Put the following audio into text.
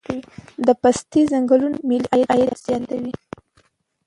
د پستې ځنګلونه ملي عاید زیاتوي